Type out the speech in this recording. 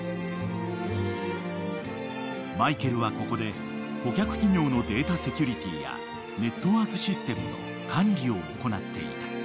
［マイケルはここで顧客企業のデータセキュリティーやネットワークシステムの管理を行っていた］